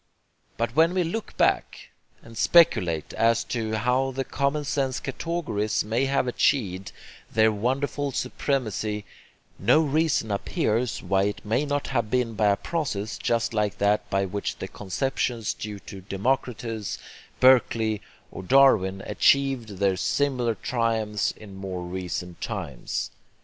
But when we look back, and speculate as to how the common sense categories may have achieved their wonderful supremacy, no reason appears why it may not have been by a process just like that by which the conceptions due to Democritus, Berkeley, or Darwin, achieved their similar triumphs in more recent times.